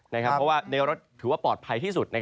เพราะว่าในรถถือว่าปลอดภัยที่สุด